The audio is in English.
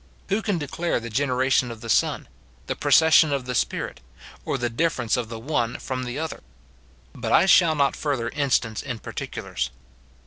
Who can declare the generation of the Son, the procession of the Spirit, or the difference of the one from the other ? But I shall not further instance in particulars.